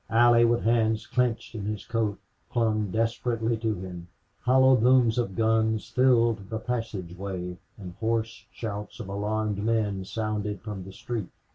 Allie, with hands clenched in his coat, clung desperately to him. Hollow booms of guns filled the passageway, and hoarse shouts of alarmed men sounded from the street.